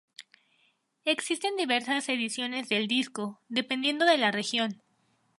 Existen diversas ediciones del disco, dependiendo de la región.